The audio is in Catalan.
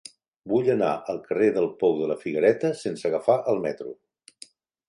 Vull anar al carrer del Pou de la Figuereta sense agafar el metro.